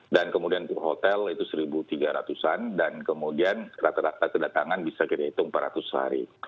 dan kemudian untuk hotel itu sudah disiapkan